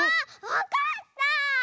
わかった！